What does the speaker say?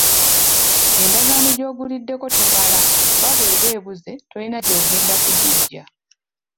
Endagaano gy’oguliddeko temala kubanga bw’eba ebuze tolina gy’ogenda kugiggya.